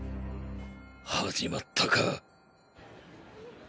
始まったか。